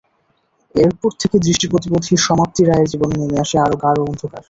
এরপর থেকে দৃষ্টিপ্রতিবন্ধী সমাপ্তি রায়ের জীবনে নেমে এসেছে আরও গাঢ় অন্ধকার।